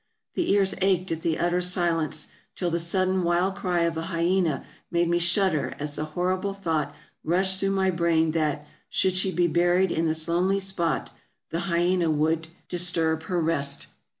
The ears ached at the utter silence, till the sudden wild cry of an hyena made me shudder as the horrible thought rushed through my brain that, should she be buried in this lonely spot, the hyena would disturb her rest.